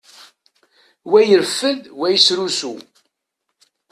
Wa ireffed, wa yesrusu.